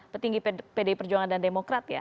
petinggi pdi perjuangan dan demokrat ya